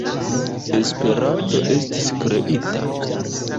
Esperanto estis kreita?